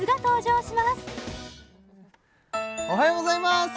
おはようございます